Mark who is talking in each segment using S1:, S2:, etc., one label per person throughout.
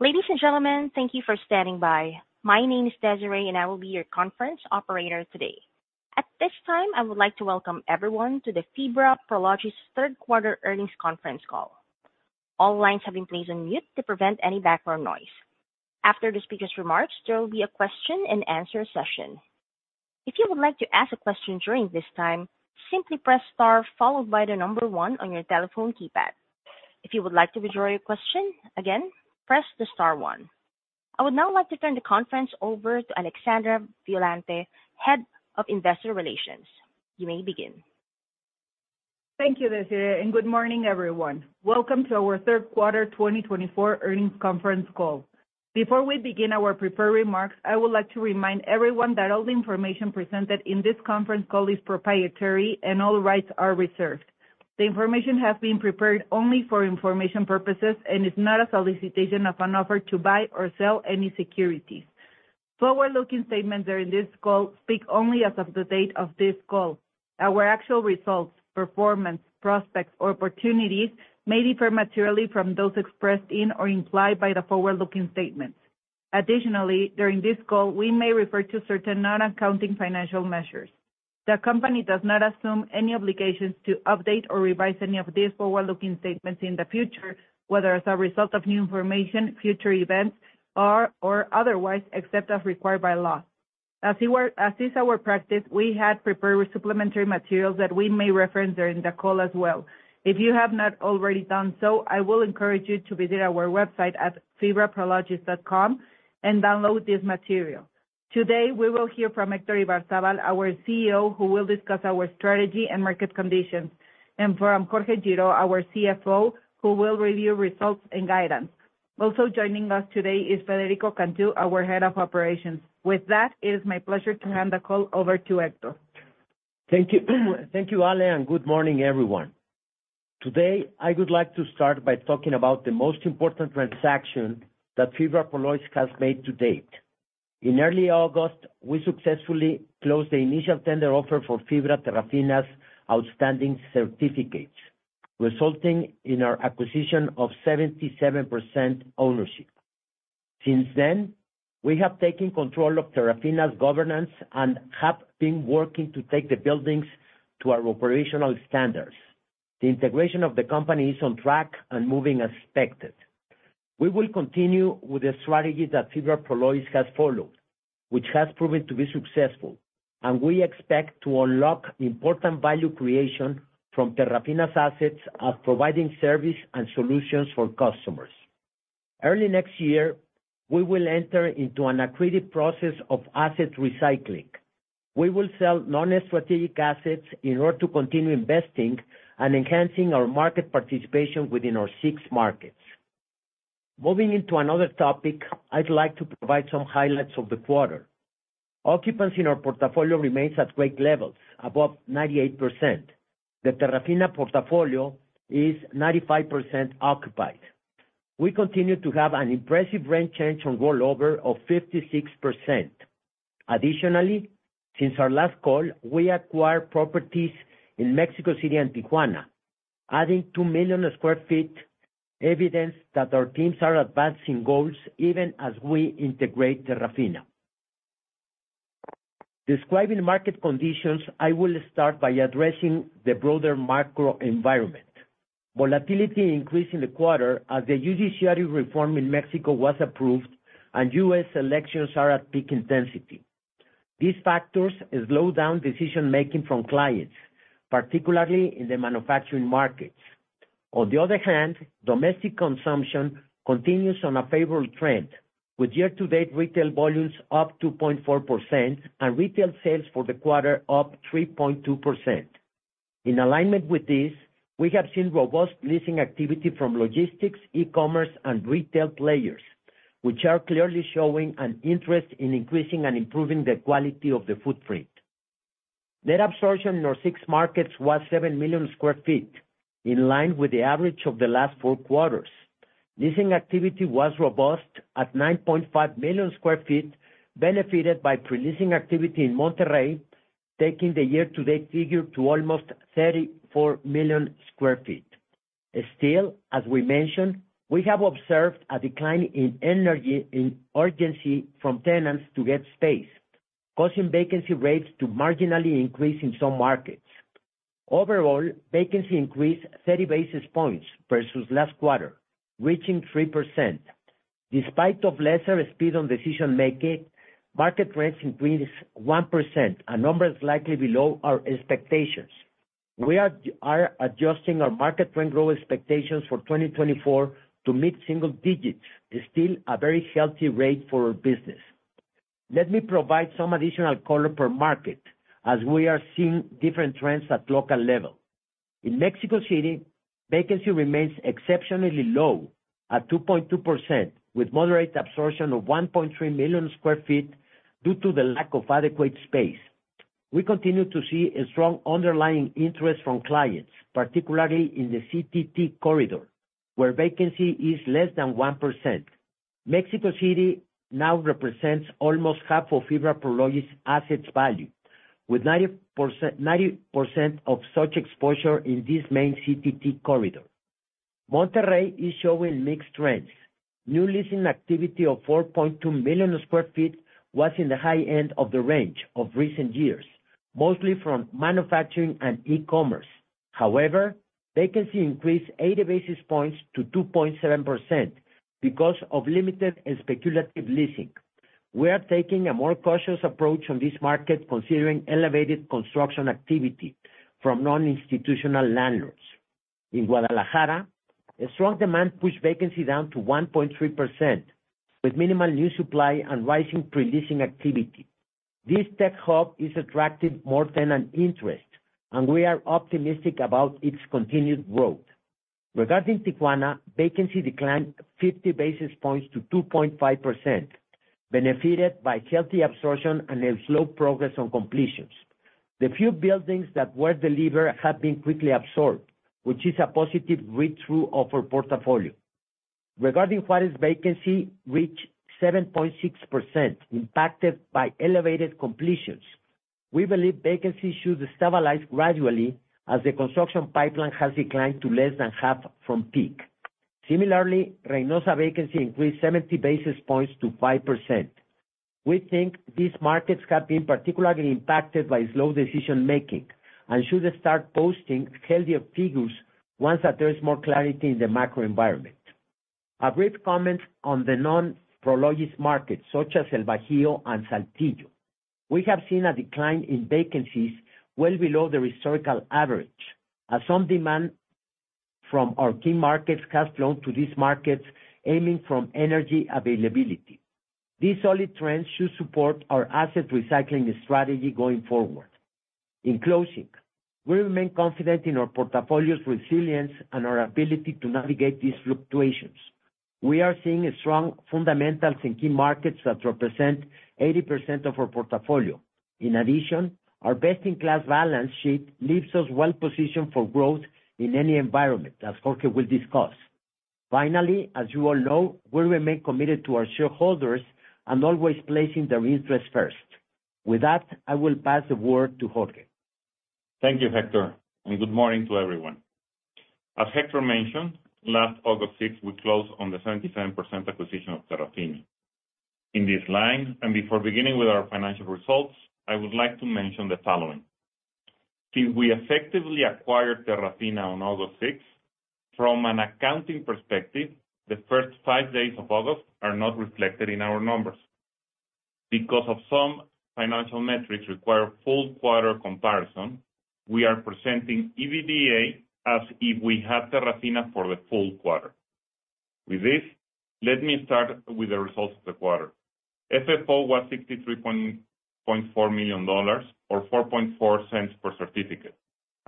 S1: Ladies and gentlemen, thank you for standing by. My name is Desiree, and I will be your conference operator today. At this time, I would like to welcome everyone to the FIBRA Prologis third quarter earnings conference call. All lines have been placed on mute to prevent any background noise. After the speaker's remarks, there will be a question and answer session. If you would like to ask a question during this time, simply press star followed by the number one on your telephone keypad. If you would like to withdraw your question, again, press the star one. I would now like to turn the conference over to Alexandra Violante, Head of Investor Relations. You may begin.
S2: Thank you, Desiree, and good morning, everyone. Welcome to our third quarter 2024 earnings conference call. Before we begin our prepared remarks, I would like to remind everyone that all the information presented in this conference call is proprietary, and all rights are reserved. The information has been prepared only for information purposes and is not a solicitation of an offer to buy or sell any securities. Forward-looking statements during this call speak only as of the date of this call. Our actual results, performance, prospects, or opportunities may differ materially from those expressed in or implied by the forward-looking statements. Additionally, during this call, we may refer to certain non-accounting financial measures. The company does not assume any obligations to update or revise any of these forward-looking statements in the future, whether as a result of new information, future events, or otherwise, except as required by law. As is our practice, we had prepared supplementary materials that we may reference during the call as well. If you have not already done so, I will encourage you to visit our website at fibraprologis.com and download this material. Today, we will hear from Héctor Ibarzábal, our CEO, who will discuss our strategy and market conditions, and from Jorge Girault, our CFO, who will review results and guidance. Also joining us today is Federico Cantú, our Head of Operations. With that, it is my pleasure to hand the call over to Héctor.
S3: Thank you. Thank you, Ale, and good morning, everyone. Today, I would like to start by talking about the most important transaction that FIBRA Prologis has made to date. In early August, we successfully closed the initial tender offer for FIBRA Terrafina's outstanding certificates, resulting in our acquisition of 77% ownership. Since then, we have taken control of Terrafina's governance and have been working to take the buildings to our operational standards. The integration of the company is on track and moving as expected. We will continue with the strategy that FIBRA Prologis has followed, which has proven to be successful, and we expect to unlock important value creation from Terrafina's assets of providing service and solutions for customers. Early next year, we will enter into an accretive process of asset recycling. We will sell non-strategic assets in order to continue investing and enhancing our market participation within our six markets. Moving into another topic, I'd like to provide some highlights of the quarter. Occupancy in our portfolio remains at great levels, above 98%. The Terrafina portfolio is 95% occupied. We continue to have an impressive rent change on rollover of 56%. Additionally, since our last call, we acquired properties in Mexico City and Tijuana, adding 2 million sq ft, evidence that our teams are advancing goals even as we integrate Terrafina. Describing market conditions, I will start by addressing the broader macro environment. Volatility increased in the quarter as the judicial reform in Mexico was approved and U.S. elections are at peak intensity. These factors has slowed down decision-making from clients, particularly in the manufacturing markets. On the other hand, domestic consumption continues on a favorable trend, with year-to-date retail volumes up 2.4% and retail sales for the quarter up 3.2%. In alignment with this, we have seen robust leasing activity from logistics, e-commerce, and retail players, which are clearly showing an interest in increasing and improving the quality of the footprint. Net absorption in our 6 markets was 7 million sq ft, in line with the average of the last 4 quarters. Leasing activity was robust at 9.5 million sq ft, benefited by pre-leasing activity in Monterrey, taking the year-to-date figure to almost 34 million sq ft. Still, as we mentioned, we have observed a decline in energy, in urgency from tenants to get space, causing vacancy rates to marginally increase in some markets. Overall, vacancy increased 30 basis points versus last quarter, reaching 3%. Despite lesser speed on decision-making, market rents increased 1%, a number slightly below our expectations. We are adjusting our market rent growth expectations for 2024 to mid-single digits, still a very healthy rate for our business. Let me provide some additional color per market as we are seeing different trends at local level. In Mexico City, vacancy remains exceptionally low at 2.2%, with moderate absorption of 1.3 million sq ft due to the lack of adequate space. We continue to see a strong underlying interest from clients, particularly in the CTT corridor, where vacancy is less than 1%. Mexico City now represents almost half of FIBRA Prologis' assets value, with 90%, 90% of such exposure in this main CTT corridor. Monterrey is showing mixed trends. New leasing activity of 4.2 million sq ft was in the high end of the range of recent years, mostly from manufacturing and e-commerce. However, vacancy increased 80 basis points to 2.7% because of limited and speculative leasing. We are taking a more cautious approach on this market, considering elevated construction activity from non-institutional landlords. In Guadalajara, a strong demand pushed vacancy down to 1.3%, with minimal new supply and rising pre-leasing activity. This tech hub is attracting more tenant interest, and we are optimistic about its continued growth. Regarding Tijuana, vacancy declined 50 basis points to 2.5%, benefited by healthy absorption and a slow progress on completions. The few buildings that were delivered have been quickly absorbed, which is a positive read-through of our portfolio. Regarding Juárez, vacancy reached 7.6%, impacted by elevated completions. We believe vacancy should stabilize gradually as the construction pipeline has declined to less than half from peak. Similarly, Reynosa vacancy increased 70 basis points to 5%. We think these markets have been particularly impacted by slow decision-making, and should start posting healthier figures once that there is more clarity in the macro environment. A brief comment on the non-Prologis markets, such as El Bajío and Saltillo. We have seen a decline in vacancies well below the historical average, as some demand from our key markets has flown to these markets, aiming from energy availability. These solid trends should support our asset recycling strategy going forward. In closing, we remain confident in our portfolio's resilience and our ability to navigate these fluctuations. We are seeing a strong fundamentals in key markets that represent 80% of our portfolio. In addition, our best-in-class balance sheet leaves us well positioned for growth in any environment, as Jorge will discuss. Finally, as you all know, we remain committed to our shareholders and always placing their interests first. With that, I will pass the word to Jorge.
S4: Thank you, Héctor, and good morning to everyone. As Héctor mentioned, last August 6, we closed on the 77% acquisition of Terrafina. In these lines, and before beginning with our financial results, I would like to mention the following: Since we effectively acquired Terrafina on August 6, from an accounting perspective, the first 5 days of August are not reflected in our numbers. Because of some financial metrics require full quarter comparison, we are presenting EBITDA as if we had Terrafina for the full quarter. With this, let me start with the results of the quarter. FFO was $63.4 million, or $0.044 per certificate,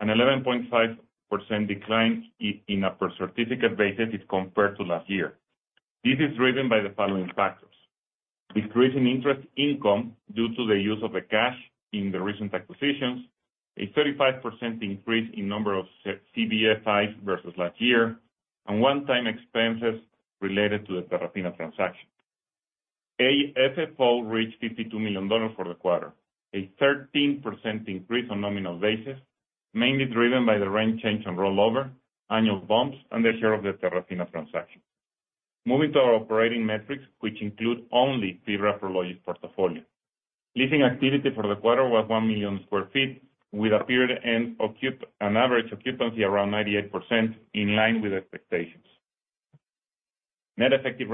S4: an 11.5% decline in a per certificate basis compared to last year. This is driven by the following factors: decrease in interest income due to the use of the cash in the recent acquisitions, a 35% increase in number of CBFI versus last year, and one-time expenses related to the Terrafina transaction. AFFO reached $52 million for the quarter, a 13% increase on nominal basis, mainly driven by the rent change and rollover, annual bumps, and the share of the Terrafina transaction. Moving to our operating metrics, which include only the Prologis portfolio. Leasing activity for the quarter was 1 million sq ft, with a period-end occupancy, an average occupancy around 98%, in line with expectations. Net effective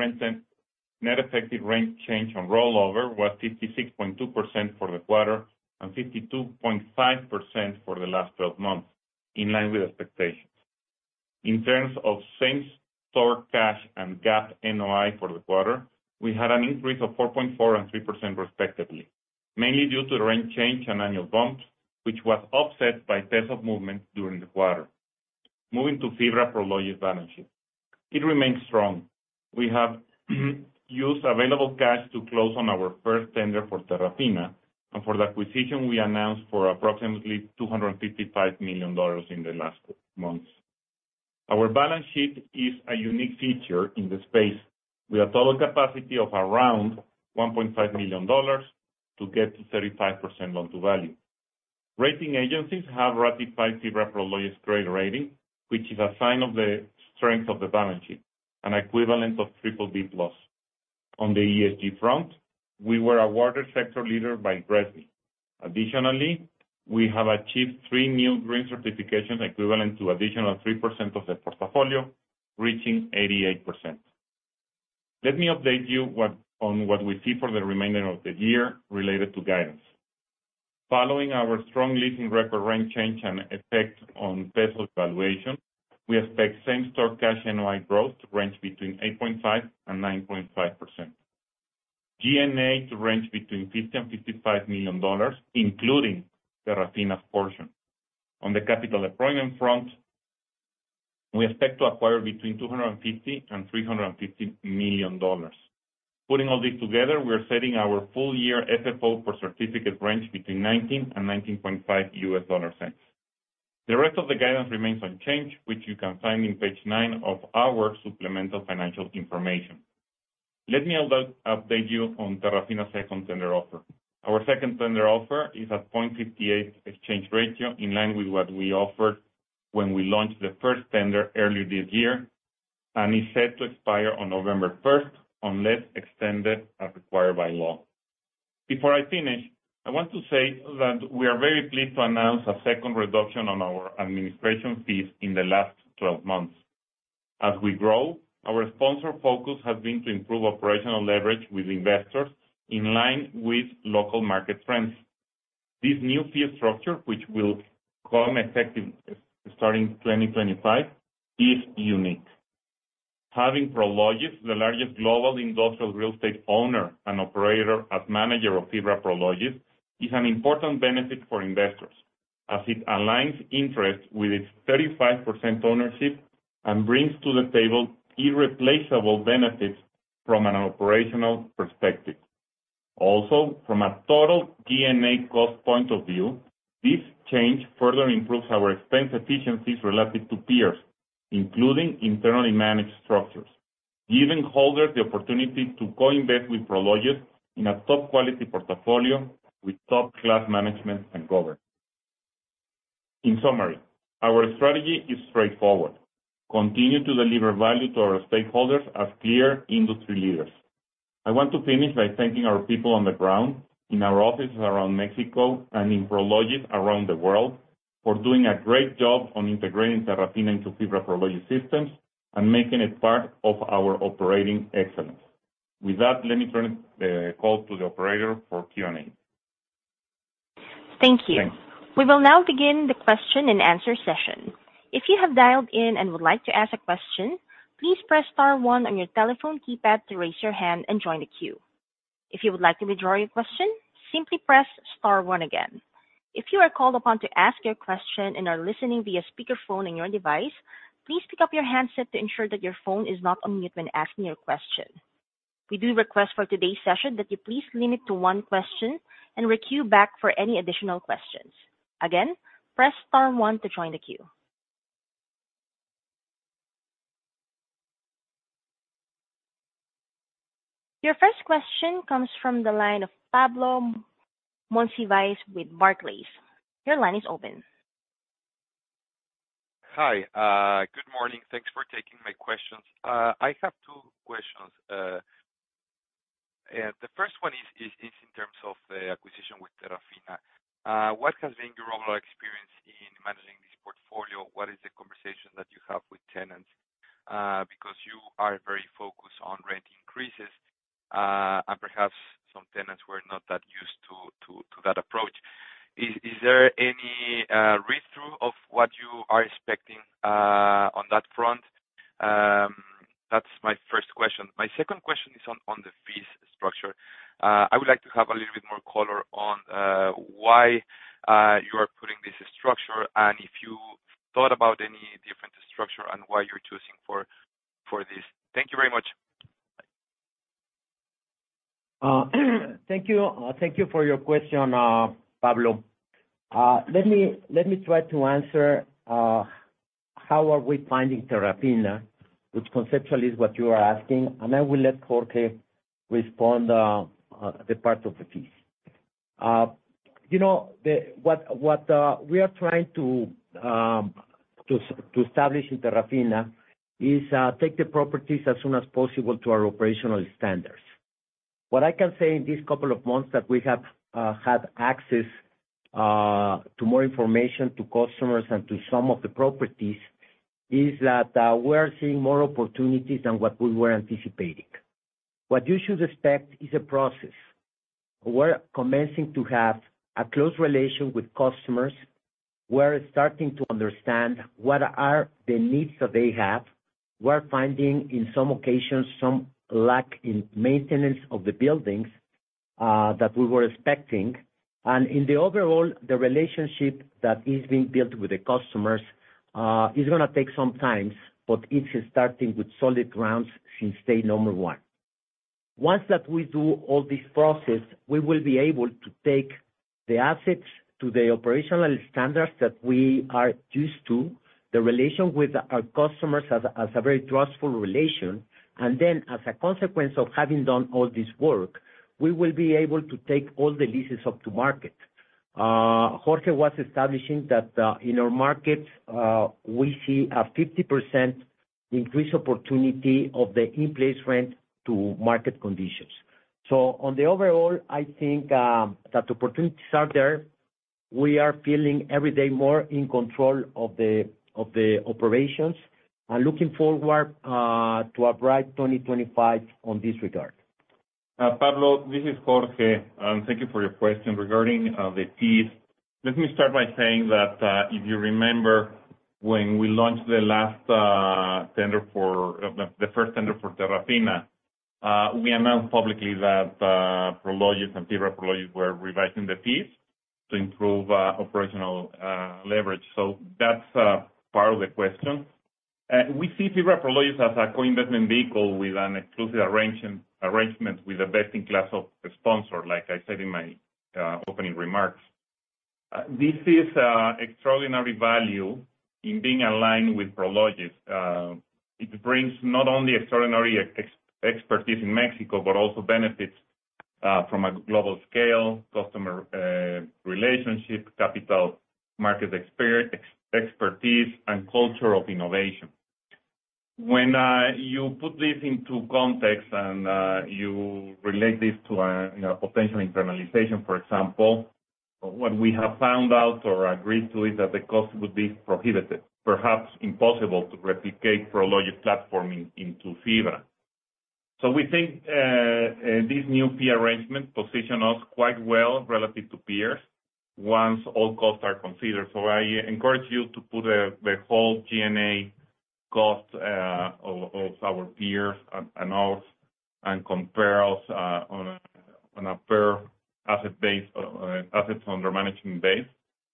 S4: rent change on rollover was 56.2% for the quarter and 52.5% for the last twelve months, in line with expectations. In terms of same-store cash and GAAP NOI for the quarter, we had an increase of 4.4% and 3% respectively, mainly due to the rent change and annual bumps, which was offset by peso movement during the quarter. Moving to FIBRA Prologis balance sheet. It remains strong. We have used available cash to close on our first tender for Terrafina, and for the acquisition we announced for approximately $255 million in the last months. Our balance sheet is a unique feature in the space, with a total capacity of around $1.5 billion to get to 35% loan to value. Rating agencies have ratified FIBRA Prologis credit rating, which is a sign of the strength of the balance sheet, an equivalent of BBB+. On the ESG front, we were awarded sector leader by GRESB. Additionally, we have achieved 3 new green certifications, equivalent to additional 3% of the portfolio, reaching 88%. Let me update you on what we see for the remainder of the year related to guidance. Following our strong leasing record rent change and effect on peso valuation, we expect same-store cash NOI growth to range between 8.5% and 9.5%. G&A to range between $50 million and $55 million, including Terrafina's portion. On the capital deployment front, we expect to acquire between $250 million and $350 million. Putting all this together, we are setting our full year FFO per certificate range between $0.19 and $0.195. The rest of the guidance remains unchanged, which you can find in page 9 of our supplemental financial information. Let me update you on Terrafina's second tender offer. Our second tender offer is at 0.58 exchange ratio, in line with what we offered when we launched the first tender earlier this year, and is set to expire on November 1, unless extended as required by law. Before I finish, I want to say that we are very pleased to announce a second reduction on our administration fees in the last 12 months. As we grow, our sponsor focus has been to improve operational leverage with investors in line with local market trends. This new fee structure, which will come effective starting 2025, is unique. Having Prologis, the largest global industrial real estate owner and operator, as manager of FIBRA Prologis, is an important benefit for investors, as it aligns interest with its 35% ownership and brings to the table irreplaceable benefits from an operational perspective. Also, from a total G&A cost point of view, this change further improves our expense efficiencies relative to peers, including internally managed structures, giving holders the opportunity to co-invest with Prologis in a top-quality portfolio with top-class management and governance. In summary, our strategy is straightforward: continue to deliver value to our stakeholders as clear industry leaders. I want to finish by thanking our people on the ground, in our offices around Mexico and in Prologis around the world, for doing a great job on integrating Terrafina into FIBRA Prologis systems and making it part of our operating excellence. With that, let me turn the call to the operator for Q&A.
S1: Thank you.
S4: Thanks.
S1: We will now begin the question-and-answer session. If you have dialed in and would like to ask a question, please press star one on your telephone keypad to raise your hand and join the queue. If you would like to withdraw your question, simply press star one again. If you are called upon to ask your question and are listening via speakerphone on your device, please pick up your handset to ensure that your phone is not on mute when asking your question. We do request for today's session that you please limit to one question and requeue back for any additional questions. Again, press star one to join the queue. Your first question comes from the line of Pablo Monsiváis with Barclays. Your line is open.
S5: Hi, good morning. Thanks for taking my questions. I have two questions. The first one is in terms of the acquisition with Terrafina. What has been your overall experience in managing this portfolio? What is the conversation that you have with tenants? Because you are very focused on rent increases, and perhaps some tenants were not that used to that approach. Is there any read-through of what you are expecting on that front? That's my first question. My second question is on the fees structure. I would like to have a little bit more color on why you are putting this structure, and if you thought about any different structure, and why you're choosing for this. Thank you very much.
S3: Thank you, thank you for your question, Pablo. Let me try to answer how we are finding Terrafina, which conceptually is what you are asking, and I will let Jorge respond the part of the fees. You know, what we are trying to establish in Terrafina is take the properties as soon as possible to our operational standards. What I can say in these couple of months that we have had access to more information to customers and to some of the properties, is that we are seeing more opportunities than what we were anticipating. What you should expect is a process. We're commencing to have a close relation with customers. We're starting to understand what are the needs that they have. We're finding, in some occasions, some lack in maintenance of the buildings, that we were expecting. And in the overall, the relationship that is being built with the customers, is gonna take some time, but it is starting with solid grounds since day number one. Once that we do all this process, we will be able to take the assets to the operational standards that we are used to, the relation with our customers as a very trustful relation. And then, as a consequence of having done all this work, we will be able to take all the leases up to market. Jorge was establishing that, in our market, we see a 50% increase opportunity of the in-place rent to market conditions. So on the overall, I think, that opportunities are there. We are feeling every day more in control of the operations, and looking forward to a bright 2025 on this regard.
S4: Pablo, this is Jorge, and thank you for your question. Regarding the fees, let me start by saying that if you remember, when we launched the last tender for the first tender for Terrafina, we announced publicly that Prologis and FIBRA Prologis were revising the fees to improve operational leverage. So that's part of the question. We see FIBRA Prologis as a co-investment vehicle with an exclusive arrangement with the best-in-class sponsor, like I said in my opening remarks. This is extraordinary value in being aligned with Prologis. It brings not only extraordinary expertise in Mexico, but also benefits from a global scale, customer relationship, capital market expertise, and culture of innovation. When you put this into context and you relate this to a, you know, potential internalization, for example, what we have found out or agreed to is that the cost would be prohibitive, perhaps impossible, to replicate Prologis platform into FIBRA. So we think this new fee arrangement position us quite well relative to peers once all costs are considered. So I encourage you to put the whole G&A cost of our peers and us, and compare us on a per asset base, assets under management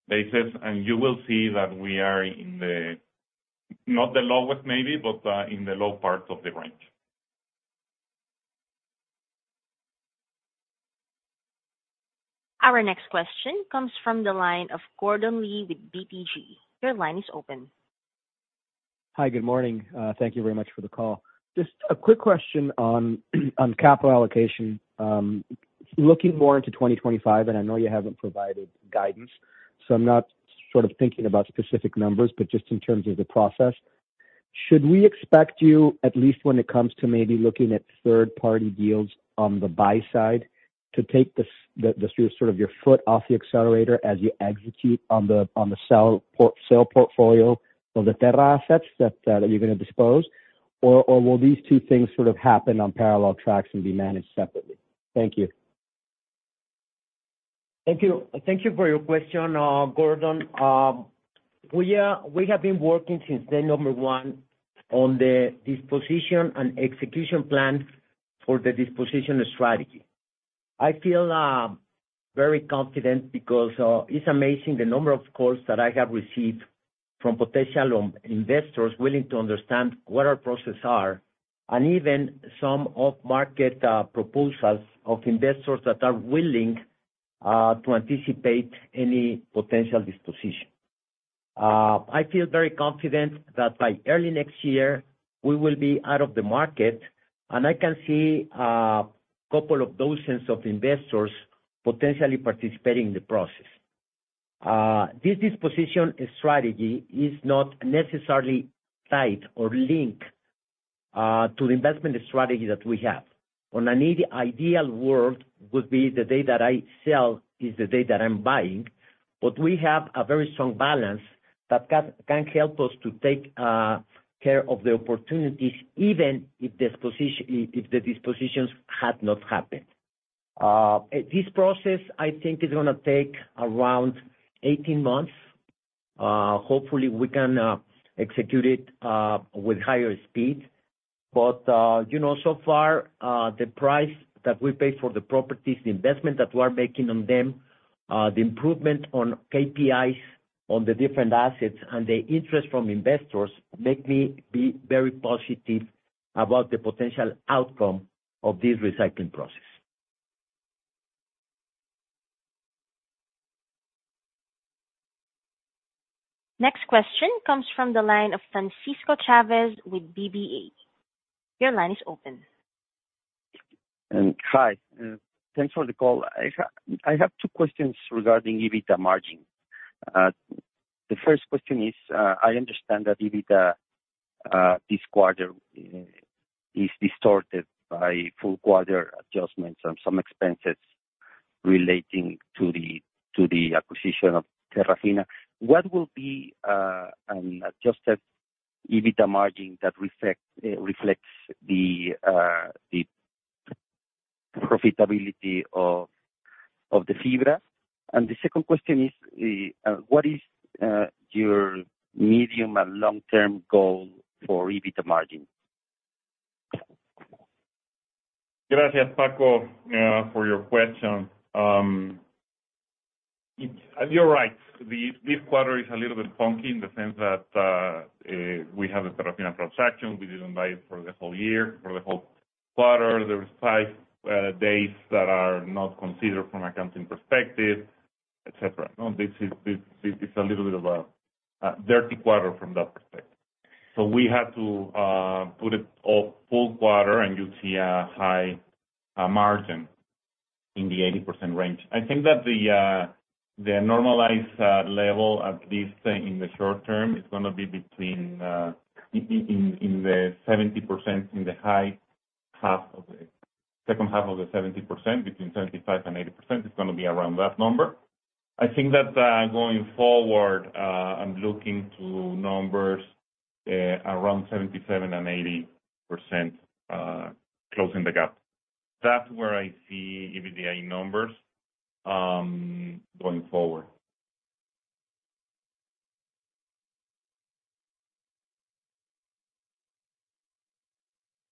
S4: basis, and you will see that we are in the, not the lowest maybe, but in the low parts of the range.
S1: Our next question comes from the line of Gordon Lee with BTG. Your line is open.
S6: Hi, good morning. Thank you very much for the call. Just a quick question on capital allocation. Looking more into 2025, and I know you haven't provided guidance, so I'm not sort of thinking about specific numbers, but just in terms of the process. Should we expect you, at least when it comes to maybe looking at third-party deals on the buy side, to sort of take your foot off the accelerator as you execute on the sale portfolio of the Terrafina assets that you're gonna dispose? Or will these two things sort of happen on parallel tracks and be managed separately? Thank you.
S3: Thank you. Thank you for your question, Gordon. We have been working since day number 1 on the disposition and execution plan for the disposition strategy. I feel very confident because it's amazing the number of calls that I have received from potential investors willing to understand what our process are, and even some off-market proposals of investors that are willing to anticipate any potential disposition. I feel very confident that by early next year, we will be out of the market, and I can see a couple of dozens of investors potentially participating in the process. This disposition strategy is not necessarily tied or linked to the investment strategy that we have. On an ideal world, would be the day that I sell is the day that I'm buying. But we have a very strong balance that can help us to take care of the opportunities, even if the dispositions had not happened. This process, I think, is gonna take around 18 months. Hopefully, we can execute it with higher speed. But you know, so far, the price that we pay for the properties, the investment that we are making on them, the improvement on KPIs on the different assets, and the interest from investors, make me be very positive about the potential outcome of this recycling process.
S1: Next question comes from the line of Francisco Chávez with BBVA. Your line is open.
S7: Hi, thanks for the call. I have two questions regarding EBITDA margin. The first question is, I understand that EBITDA this quarter is distorted by full quarter adjustments and some expenses relating to the acquisition of Terrafina. What will be an adjusted EBITDA margin that reflects the profitability of the fibra? And the second question is, what is your medium and long-term goal for EBITDA margin?
S4: Gracias, Paco, for your question. It's... You're right. This quarter is a little bit funky in the sense that we have a Terrafina transaction. We didn't buy it for the whole year, for the whole quarter. There was five days that are not considered from an accounting perspective, et cetera. No, this is a little bit of a dirty quarter from that perspective. So we had to put it a full quarter, and you'd see a high margin in the 80% range. I think that the normalized level, at least in the short term, is gonna be between in the 70%, in the high half of the second half of the 70%, between 75% and 80%, it's gonna be around that number. I think that going forward, I'm looking to numbers around 77% and 80% closing the gap. That's where I see EBITDA numbers going forward.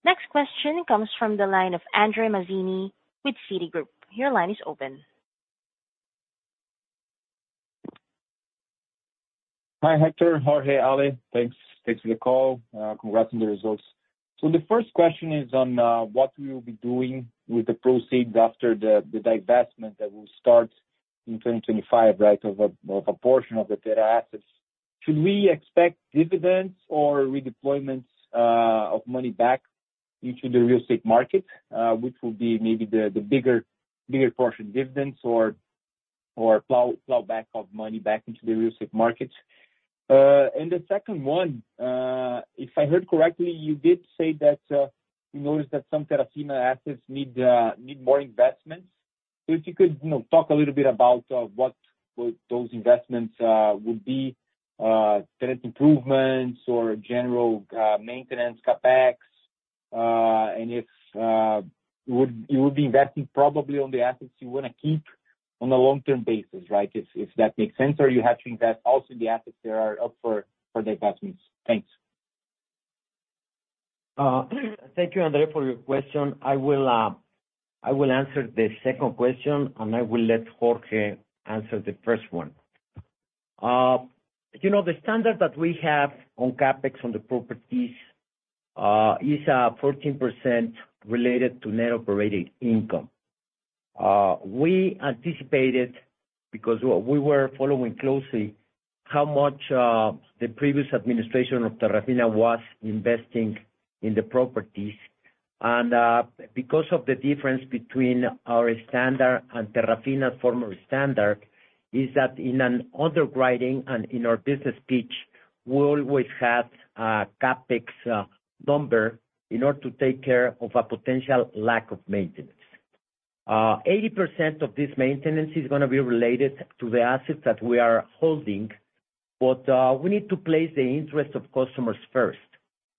S1: Next question comes from the line of André Mazini with Citigroup. Your line is open....
S8: Hi, Héctor, Jorge, Ale. Thanks. Thanks for the call. Congrats on the results. So the first question is on what we will be doing with the proceeds after the divestment that will start in 2025, right? Of a portion of the Terrafina assets. Should we expect dividends or redeployments of money back into the real estate market? Which will be maybe the bigger portion, dividends or plow back of money back into the real estate market. And the second one, if I heard correctly, you did say that you noticed that some Terrafina assets need more investments. So if you could, you know, talk a little bit about what those investments would be, tenant improvements or general maintenance CapEx. And if you would be investing probably on the assets you wanna keep on a long-term basis, right? If that makes sense, or you have to invest also in the assets that are up for the investments. Thanks.
S3: Thank you, Andre, for your question. I will, I will answer the second question, and I will let Jorge answer the first one. You know, the standard that we have on CapEx on the properties is 14% related to net operating income. We anticipated, because we were following closely how much the previous administration of Terrafina was investing in the properties. And, because of the difference between our standard and Terrafina's former standard, is that in an underwriting and in our business pitch, we always have a CapEx number in order to take care of a potential lack of maintenance. Eighty percent of this maintenance is gonna be related to the assets that we are holding, but we need to place the interest of customers first.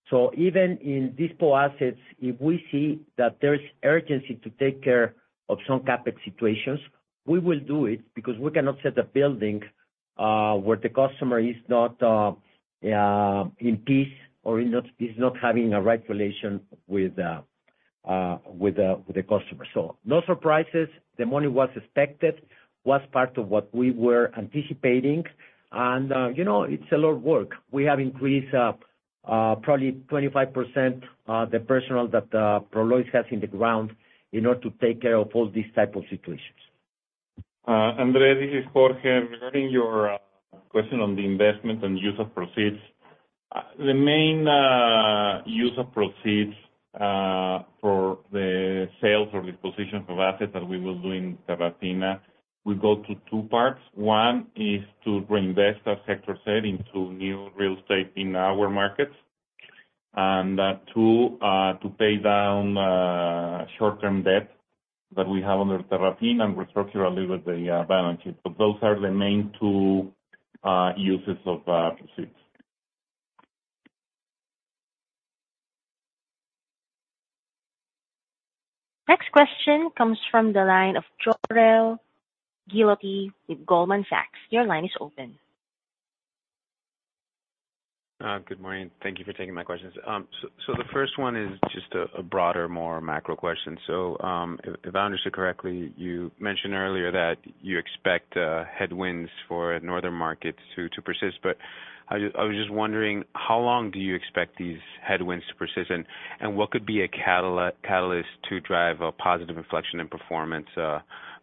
S3: So even in dispo assets, if we see that there's urgency to take care of some CapEx situations, we will do it, because we cannot set a building, where the customer is not in peace or is not having a right relation with the customer. So no surprises, the money was expected, was part of what we were anticipating, and, you know, it's a lot of work. We have increased, probably 25%, the personnel that Prologis has in the ground in order to take care of all these type of situations.
S4: Andre, this is Jorge. Regarding your question on the investment and use of proceeds. The main use of proceeds for the sales or disposition of assets that we will do in Terrafina will go to two parts. One is to reinvest, as Héctor said, into new real estate in our markets. And two, to pay down short-term debt that we have under Terrafina and restructure a little bit the balance sheet. But those are the main two uses of proceeds.
S1: Next question comes from the line of Jorel Guilloty with Goldman Sachs. Your line is open.
S9: Good morning. Thank you for taking my questions. The first one is just a broader, more macro question. If I understood correctly, you mentioned earlier that you expect headwinds for northern markets to persist, but I just was wondering, how long do you expect these headwinds to persist? And what could be a catalyst to drive a positive inflection in performance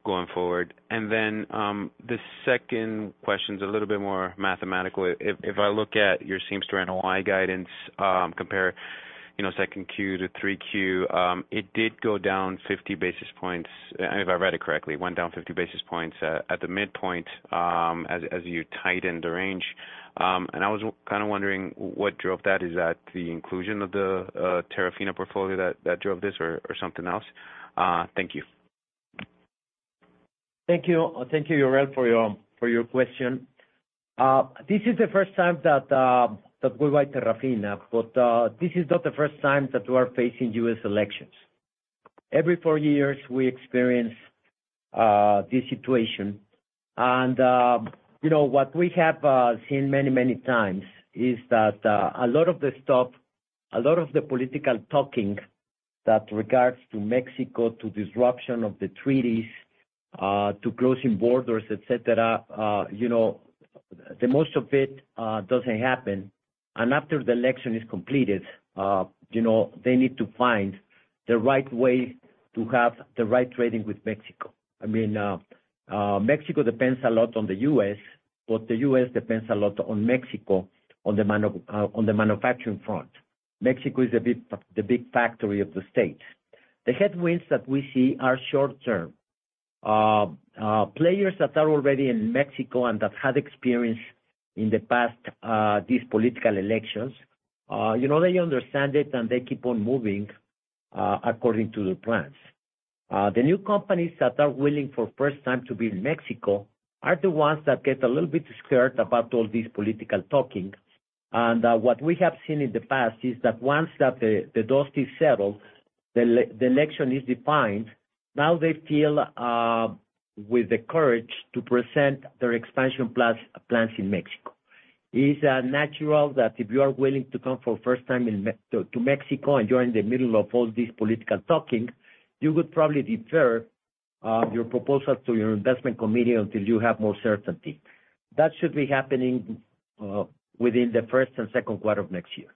S9: going forward? And then, the second question is a little bit more mathematical. If I look at your same-store NOI guidance, compare, you know, second Q to three Q, it did go down 50 basis points. If I read it correctly, it went down 50 basis points at the midpoint, as you tightened the range. And I was kind of wondering what drove that? Is that the inclusion of the Terrafina portfolio that drove this or something else? Thank you.
S3: Thank you. Thank you, Jorel, for your, for your question. This is the first time that, that we buy Terrafina, but, this is not the first time that we are facing U.S. elections. Every four years, we experience, this situation. And, you know, what we have, seen many, many times is that, a lot of the stuff, a lot of the political talking that regards to Mexico, to disruption of the treaties, to closing borders, et cetera, you know, the most of it, doesn't happen. And after the election is completed, you know, they need to find the right way to have the right trading with Mexico. I mean, Mexico depends a lot on the U.S., but the U.S. depends a lot on Mexico, on the manufacturing front. Mexico is the big factory of the States. The headwinds that we see are short-term. Players that are already in Mexico and that had experience in the past, these political elections, you know, they understand it, and they keep on moving according to their plans. The new companies that are willing for first time to be in Mexico are the ones that get a little bit scared about all this political talking. What we have seen in the past is that once the dust is settled, the election is defined, now they feel with the courage to present their expansion plans, plans in Mexico. It's natural that if you are willing to come for the first time to Mexico, and you're in the middle of all this political talking, you would probably defer your proposal to your investment committee until you have more certainty. That should be happening within the first and second quarter of next year.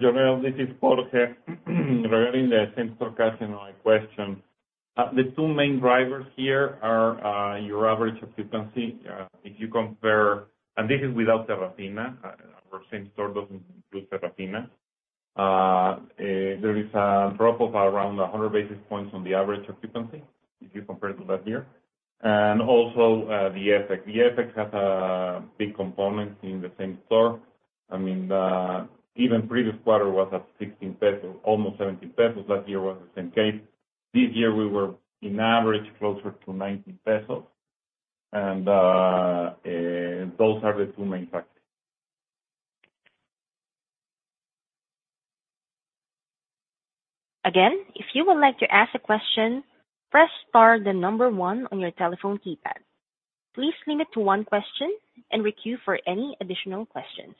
S4: Joel, this is Jorge. Regarding the same store question on my question, the two main drivers here are your average occupancy. If you compare—and this is without Terrafina, our same store doesn't include Terrafina. There is a drop of around 100 basis points on the average occupancy, if you compare to last year. Also, the FX. The FX has a big component in the same store. I mean, the even previous quarter was at 16 pesos, almost 17 pesos. Last year was the same case. This year we were in average closer to 19 pesos, and those are the two main factors.
S1: Again, if you would like to ask a question, press star then number one on your telephone keypad. Please limit to one question and queue for any additional questions.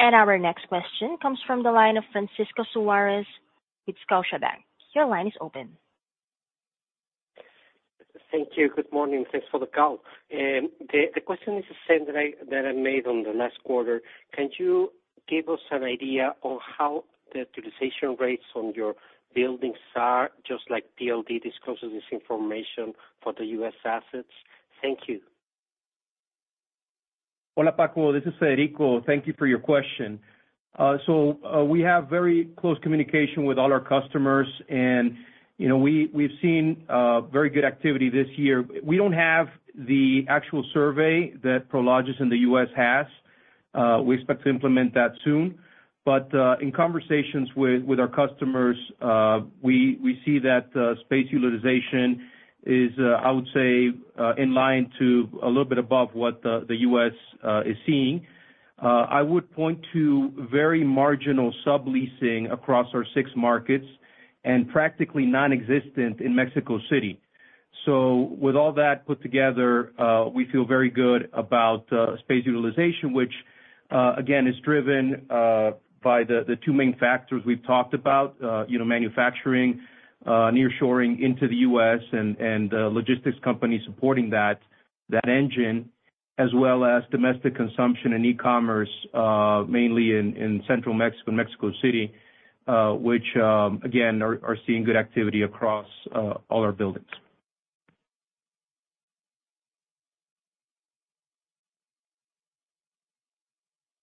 S1: Our next question comes from the line of Francisco Suárez with Scotiabank. Your line is open.
S10: Thank you. Good morning, thanks for the call. The question is the same that I made on the last quarter. Can you give us an idea on how the utilization rates on your buildings are, just like PLD discloses this information for the U.S. assets? Thank you.
S11: Hola, Paco, this is Federico. Thank you for your question. So, we have very close communication with all our customers. And, you know, we've seen very good activity this year. We don't have the actual survey that Prologis in the U.S. has. We expect to implement that soon. But, in conversations with our customers, we see that space utilization is, I would say, in line to a little bit above what the U.S. is seeing. I would point to very marginal subleasing across our six markets, and practically non-existent in Mexico City. So with all that put together, we feel very good about space utilization, which, again, is driven by the two main factors we've talked about. You know, manufacturing, nearshoring into the U.S. and logistics companies supporting that engine, as well as domestic consumption and e-commerce, mainly in central Mexico, Mexico City, which again are seeing good activity across all our buildings.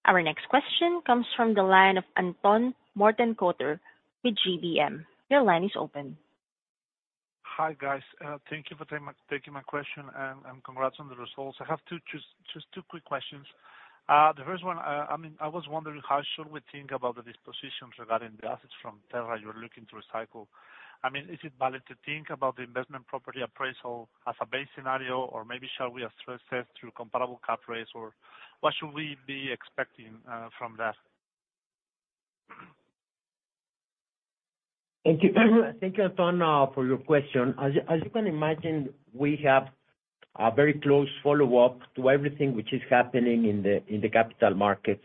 S1: Our next question comes from the line of Anton Mortenkotter with GBM. Your line is open.
S12: Hi, guys. Thank you for taking my question, and congrats on the results. I have just two quick questions. The first one, I mean, I was wondering, how should we think about the dispositions regarding the assets from Terrafina you're looking to recycle? I mean, is it valid to think about the investment property appraisal as a base scenario, or maybe shall we assess through comparable cap rates, or what should we be expecting from that?
S3: Thank you. Thank you, Anton, for your question. As you can imagine, we have a very close follow-up to everything which is happening in the capital markets.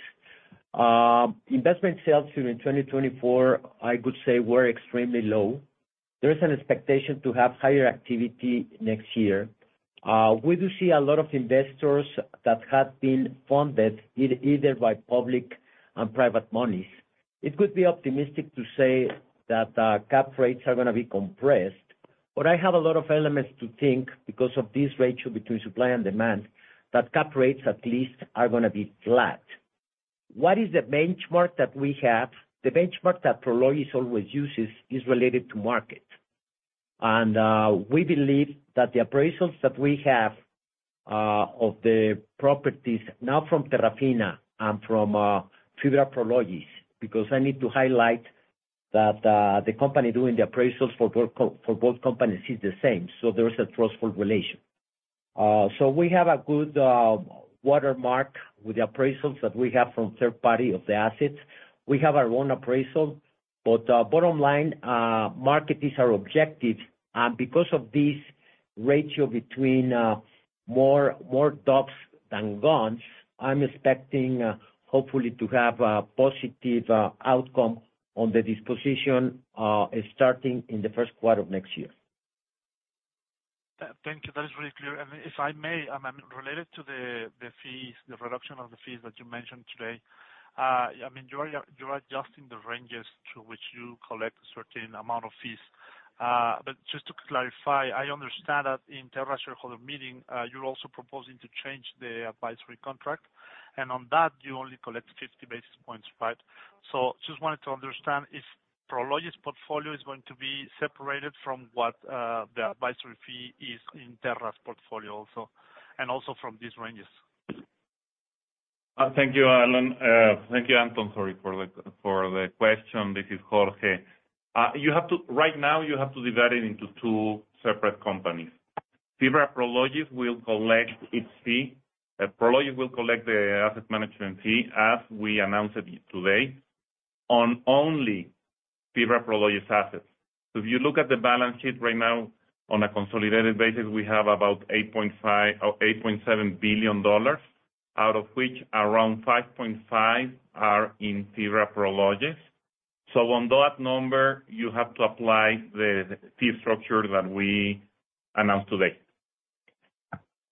S3: Investment sales during 2024, I could say, were extremely low. There is an expectation to have higher activity next year. We do see a lot of investors that have been funded, either by public and private monies. It could be optimistic to say that, cap rates are gonna be compressed, but I have a lot of elements to think, because of this ratio between supply and demand, that cap rates at least are gonna be flat. What is the benchmark that we have? The benchmark that Prologis always uses is related to market. We believe that the appraisals that we have of the properties, not from Terrafina and from FIBRA Prologis, because I need to highlight that the company doing the appraisals for both companies is the same, so there is a trustful relation. So we have a good watermark with the appraisals that we have from third party of the assets. We have our own appraisal, but bottom line, market is our objective. Because of this ratio between more modern than gone, I'm expecting hopefully to have a positive outcome on the disposition starting in the first quarter of next year.
S12: Thank you. That is very clear. And if I may, related to the fees, the reduction of the fees that you mentioned today. I mean, you are adjusting the ranges to which you collect a certain amount of fees. But just to clarify, I understand that in Terrafina shareholder meeting, you're also proposing to change the advisory contract, and on that you only collect 50 basis points, right? So just wanted to understand if Prologis portfolio is going to be separated from what, the advisory fee is in Terrafina's portfolio also, and also from these ranges.
S4: Thank you, Alan. Thank you, Anton, sorry for the question. This is Jorge. You have to... Right now, you have to divide it into two separate companies. FIBRA Prologis will collect its fee, Prologis will collect the asset management fee, as we announced it today, on only-... FIBRA Prologis assets. So if you look at the balance sheet right now, on a consolidated basis, we have about $8.5 billion or $8.7 billion, out of which around $5.5 billion are in FIBRA Prologis. So on that number, you have to apply the fee structure that we announced today.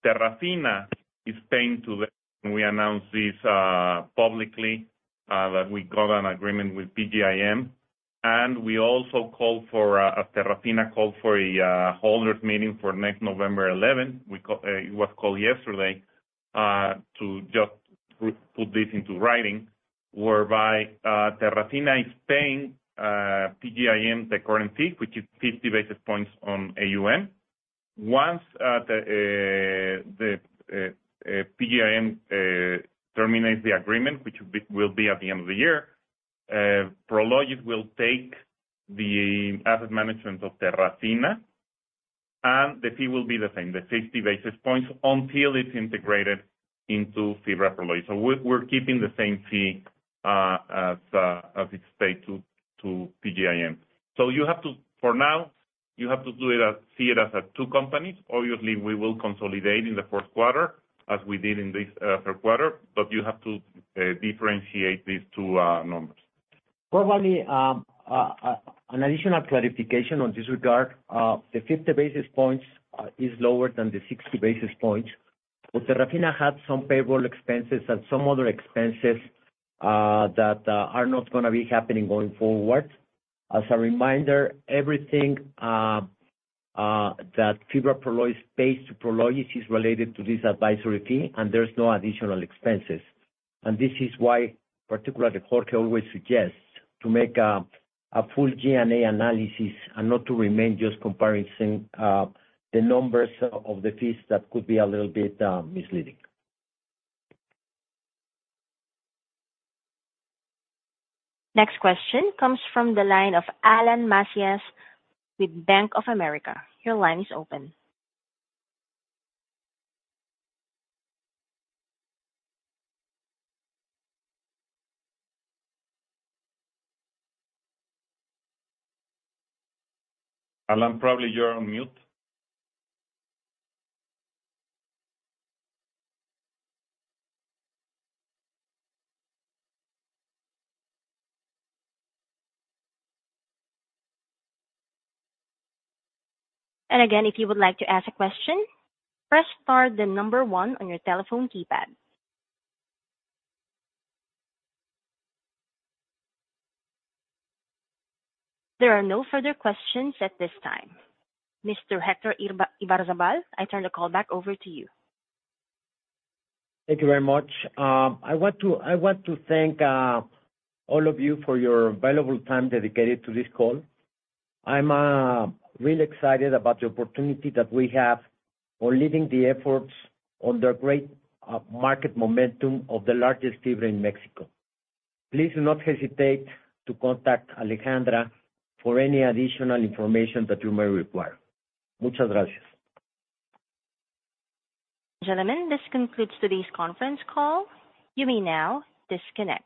S4: Terrafina is paying to, and we announced this publicly, that we got an agreement with PGIM, and we also called for a Terrafina called for a holders meeting for next November eleventh. We called yesterday to just put this into writing, whereby Terrafina is paying PGIM the current fee, which is 50 basis points on AUM. Once the PGIM terminates the agreement, which will be at the end of the year, Prologis will take the asset management of Terrafina, and the fee will be the same, the 50 basis points, until it's integrated into FIBRA Prologis. So we're keeping the same fee as it's paid to PGIM. So you have to. For now, you have to do it as, see it as two companies. Obviously, we will consolidate in the fourth quarter, as we did in this third quarter, but you have to differentiate these two numbers.
S3: Probably, an additional clarification on this regard, the 50 basis points is lower than the 60 basis points. But Terrafina had some payroll expenses and some other expenses that are not gonna be happening going forward. As a reminder, everything that Fibra Prologis pays to Prologis is related to this advisory fee, and there's no additional expenses. And this is why, particularly, Jorge always suggests to make a full G&A analysis and not to remain just comparing the numbers of the fees that could be a little bit misleading.
S1: Next question comes from the line of Alan Macías with Bank of America. Your line is open.
S4: Alan, probably you're on mute.
S1: And again, if you would like to ask a question, press star then number one on your telephone keypad. There are no further questions at this time. Mr. Héctor Ibarzábal, I turn the call back over to you.
S3: Thank you very much. I want to thank all of you for your valuable time dedicated to this call. I'm really excited about the opportunity that we have for leading the efforts on the great market momentum of the largest FIBRA in Mexico. Please do not hesitate to contact Alexandra for any additional information that you may require. Muchas gracias.
S1: Gentlemen, this concludes today's conference call. You may now disconnect.